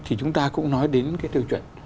thì chúng ta cũng nói đến cái tiêu chuẩn